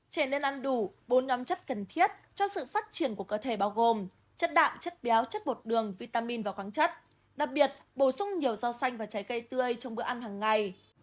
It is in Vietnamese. trẻ nên ăn đủ bốn nhóm chất cần thiết cho sự phát triển của cơ thể bao gồm chất đạm chất béo chất bột đường vitamin và khoáng chất đặc biệt bổ sung nhiều rau xanh và trái cây tươi trong bữa ăn hàng ngày